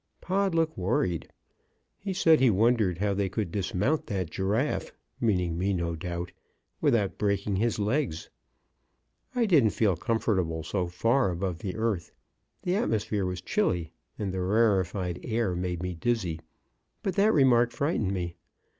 Pod looked worried. He said he wondered how they could dismount that giraffe meaning me, no doubt without breaking his legs. I didn't feel comfortable so far above the earth, the atmosphere was chilly, and the rarified air made me dizzy; but that remark frightened me.